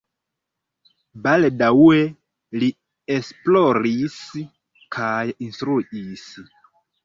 Baldaŭe li esploris kaj instruis.